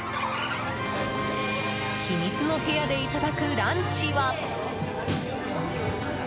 秘密の部屋でいただくランチは。